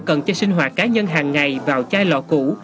cần cho sinh hoạt cá nhân hàng ngày vào chai lọ cũ